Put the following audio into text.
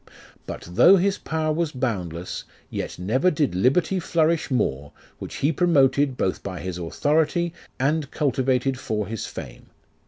But though his power was boundless, Yet never did liberty flourish more, which he promoted, Both by his authority, and cultivated for his fame.